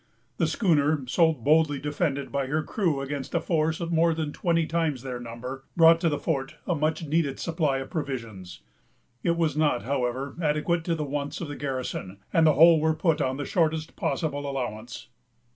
The schooner, so boldly defended by her crew against a force of more than twenty times their number, brought to the fort a much needed supply of provisions. It was not, however, adequate to the wants of the garrison; and the whole were put upon the shortest possible allowance.